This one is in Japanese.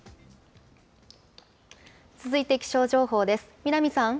続いて気象情報です。